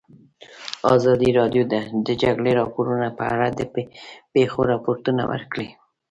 ازادي راډیو د د جګړې راپورونه په اړه د پېښو رپوټونه ورکړي.